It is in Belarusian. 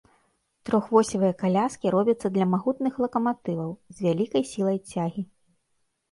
Трохвосевыя каляскі робяцца для магутных лакаматываў з вялікай сілай цягі.